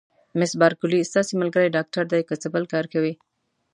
مس بارکلي: ستاسي ملګری ډاکټر دی، که څه بل کار کوي؟